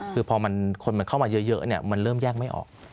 คือพอคนมันเข้ามาเยอะมันเริ่มแยกไม่ออก